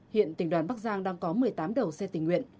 hiện tỉnh đoàn bắc giang đang có một mươi tám đầu xe tình nguyện